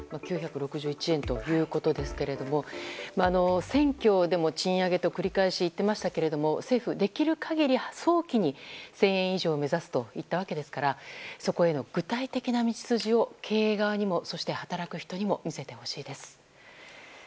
９６１円ということですが選挙でも賃上げと繰り返し言っていましたが政府、できる限り早期に１０００円以上を目指すといったわけですからそこへの具体的な道筋を経営側にも、そして働く人にも見せてほしいです。